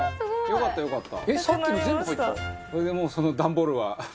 よかったよかった。